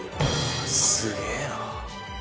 すげえな。